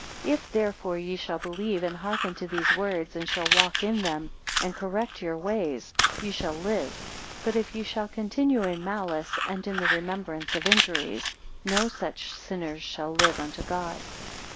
276 If therefore ye shall believe and hearken to these words, and shall walk in them and correct your ways, ye shall live. But if ye shall, continue in malice, and in the remembrance of injuries, no such sinners shall live unto God.